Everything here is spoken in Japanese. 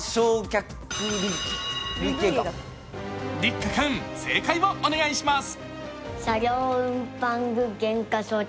律久君、正解をお願いします！